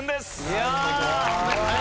いや！